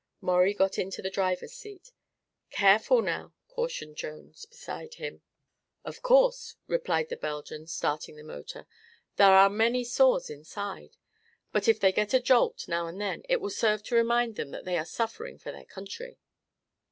Maurie got into the driver's seat. "Careful, now!" cautioned Jones, beside him. "Of course," replied the Belgian, starting the motor; "there are many sores inside. But if they get a jolt, now and then, it will serve to remind them that they are suffering for their country."